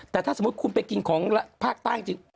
แต่ถ้าสมมุติคุณไปกินของภาคใต้จริง